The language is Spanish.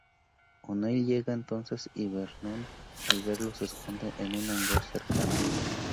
O'Neill llega entonces y Vernon al verlo se esconde en un hangar cercano.